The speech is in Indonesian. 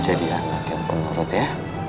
jadi anak yang penurut ya